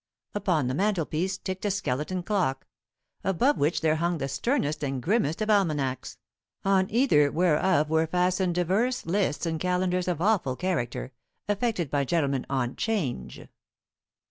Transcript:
Upon the mantelpiece ticked a skeleton clock; above which there hung the sternest and grimmest of almanacks, on either whereof were fastened divers lists and calendars of awful character, affected by gentlemen on 'Change.